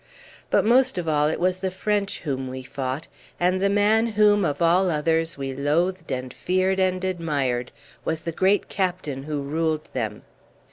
But most of all it was the French whom we fought, and the man whom of all others we loathed and feared and admired was the great Captain who ruled them.